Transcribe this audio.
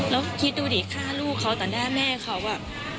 แล้วคิดดูดิฆ่าลูกเขาต่อหน้าแม่เขาอ่ะ